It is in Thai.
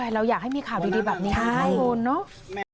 เราอยากให้มีข่าวดีแบบนี้ใช่คุณเนาะ